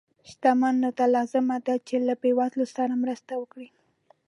شتمنو ته لازمه ده چې له بې وزلو سره مرستې وکړي.